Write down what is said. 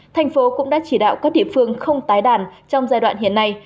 thành phố cũng đã chỉ đạo các địa phương không tái đàn trong giai đoạn hiện nay